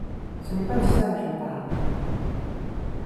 Ce n’est pas de ça que je parle.